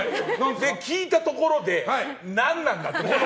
聞いたところで何なんだって。